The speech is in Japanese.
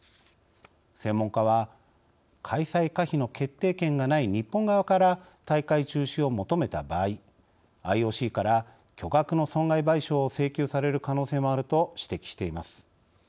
専門家は、開催可否の決定権がない日本側から大会中止を求めた場合ＩＯＣから巨額の損害賠償を請求される可能性もあると指摘しています。